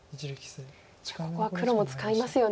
ここは黒も使いますよね。